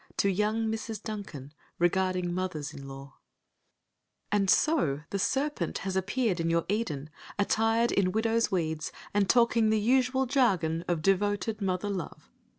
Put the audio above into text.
To Young Mrs. Duncan Regarding Mothers in Law And so the serpent has appeared in your Eden, attired in widow's weeds, and talking the usual jargon of "devoted mother love."